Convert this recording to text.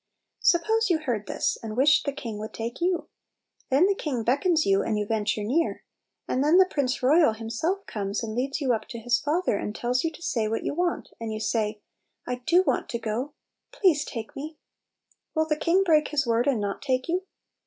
Suppose you heard this, and wished the king would take you. Then the king beckons .you, and you ven ture near; and then the prince royal himself comes and leads you up to his father, and tells you to say what you want, and you say, " I do want to go, please take me I " Will the king break his word and not take you